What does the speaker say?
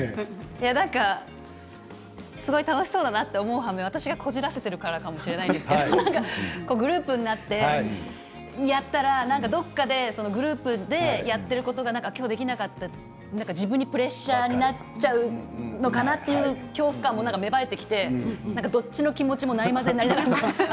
なんか、すごい楽しそうだなと思う反面私がこじらせてるからかもしれませんけれどもグループになってやったらどこかで、グループでやっていることがきょうできなかった自分にプレッシャーになるのかなというのも芽生えてきてどっちの気持ちもないまぜになりながら見ていました。